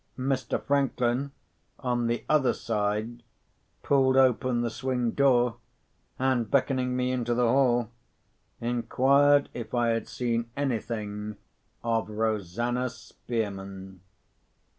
Mr. Franklin, on the other side, pulled open the swing door, and beckoning me into the hall, inquired if I had seen anything of Rosanna Spearman.